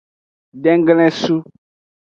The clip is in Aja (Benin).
Denglesu.